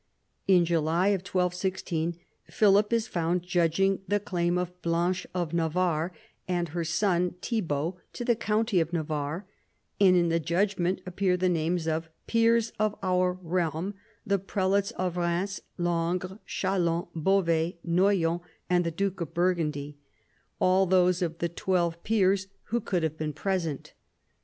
In July 1216 Philip is found judging the claim of Blanche of Navarre and her son Thibault to the county of Navarre, and in the judgment appear the names of "peers of our realm, the prelates of Eheims, Langres, Chalons, Beauvais, Noyon, and the duke of Burgundy "— all those of the " twelve peers" who could have been present.